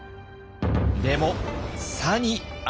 でもさにあらず！